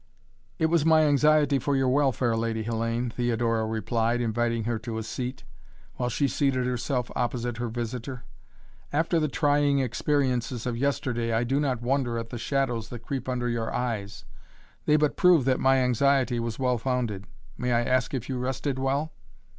"It was my anxiety for your welfare, Lady Hellayne," Theodora replied, inviting her to a seat, while she seated herself opposite her visitor. "After the trying experiences of yesterday I do not wonder at the shadows that creep under your eyes. They but prove that my anxiety was well founded. May I ask if you rested well?"